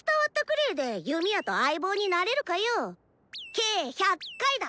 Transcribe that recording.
計１００回だ。